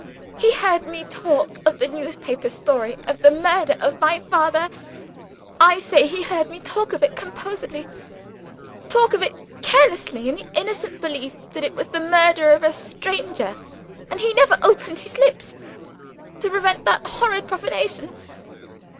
He heard me talk of the newspaper story of the murder of my father I say, he heard me talk of it composedly, talk of it carelessly, in the innocent belief that it was the murder of a stranger and he never opened his lips to prevent that horrid profanation!